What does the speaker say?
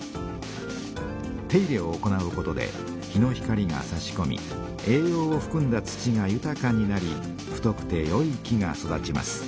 手入れを行うことで日の光がさしこみ栄養をふくんだ土がゆたかになり太くてよい木が育ちます。